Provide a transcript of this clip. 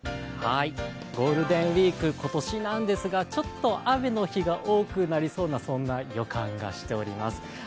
ゴールデンウイーク今年なんですがちょっと雨の日が多くなりそうな、そんな予感がしております。